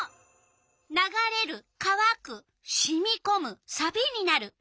「ながれる」「かわく」「しみこむ」「さびになる」。